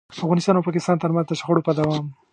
افغانستان او پاکستان ترمنځ د شخړو په دوام.